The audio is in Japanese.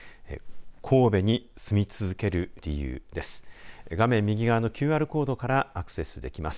神戸に住み続ける理由です。